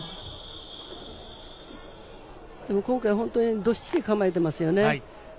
今回本当にどっしりと構えていますよね。